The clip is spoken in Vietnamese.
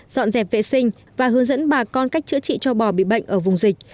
dọn dẹp vệ sinh và hướng dẫn bà con cách chữa trị cho bò bị bệnh ở vùng dịch